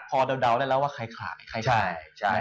พอเดาได้แล้วว่าใครขายใครขาย